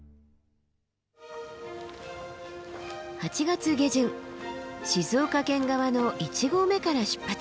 ８月下旬静岡県側の１合目から出発。